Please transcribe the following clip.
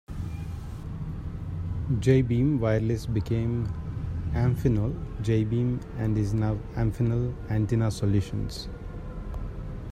Jaybeam Wireless became Amphenol Jaybeam and is now Amphenol Antenna Solutions.